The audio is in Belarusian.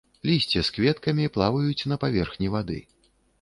Лісце з кветкамі плаваюць на паверхні вады.